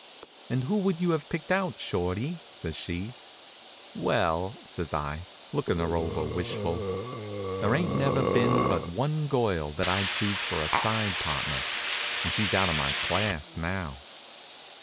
"And who would you have picked out, Shorty?" says she. "Well," says I, lookin' her over wishful, "there ain't never been but one girl that I'd choose for a side partner, and she's out of my class now."